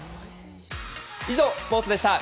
以上、スポーツでした。